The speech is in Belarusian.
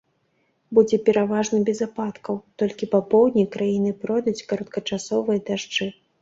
Будзе пераважна без ападкаў, толькі па поўдні краіны пройдуць кароткачасовыя дажджы.